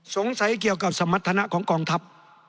เกี่ยวกับสมรรถนะของกองทัพ